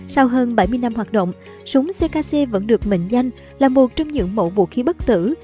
sau hơn bảy mươi năm hoạt động súng ckc vẫn được mệnh danh là một trong những mẫu vũ khí bất tử